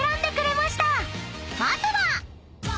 まずは］